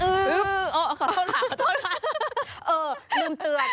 เออลืมเตือน